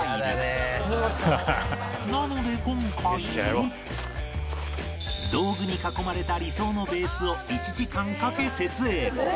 なので今回道具に囲まれた理想のベースを１時間かけ設営